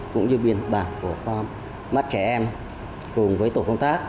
cũng như biên bản của con mắt trẻ em cùng với tổ công tác